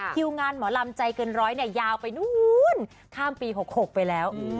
คิวงานหมอลำใจเกินร้อยเนี่ยยาวไปนู้นข้ามปี๖๖ไปแล้ว